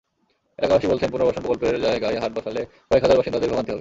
এলাকাবাসী বলছেন, পুনর্বাসন প্রকল্পের জায়গায় হাট বসালে কয়েক হাজার বাসিন্দার ভোগান্তি হবে।